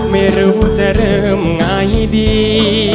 ไม่รู้จะเริ่มไงดี